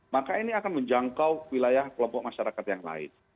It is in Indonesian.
maka ini akan menjangkau wilayah kelompok masyarakat yang lain